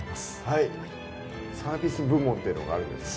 はいサービス部門っていうのがあるんですね